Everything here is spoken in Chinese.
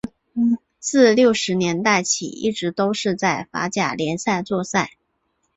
自六十年代起一直都是在法甲联赛作赛。